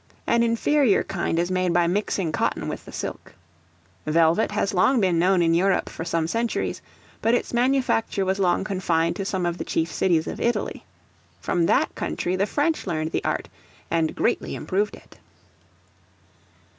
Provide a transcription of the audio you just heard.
An inferior kind is made by mixing cotton with the silk. Velvet has been known in Europe for some centuries, but its manufacture was long confined to some of the chief cities of Italy. From that country the French learned the art, and greatly improved it.